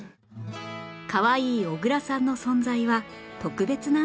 かわいい小倉さんの存在は特別なんだそう